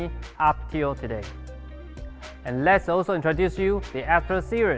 dan mari saya juga memperkenalkan anda dengan seri expert